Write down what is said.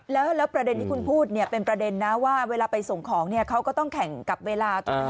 แล้วประเด็นที่คุณพูดเนี่ยเป็นประเด็นนะว่าเวลาไปส่งของเขาก็ต้องแข่งกับเวลาถูกไหม